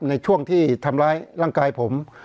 ในช่วงที่ทำร้ายร่างกายผม